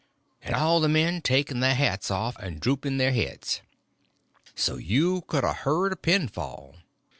and all the men taking their hats off and drooping their heads, so you could a heard a pin fall.